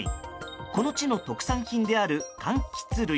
この地の特産品であるかんきつ類。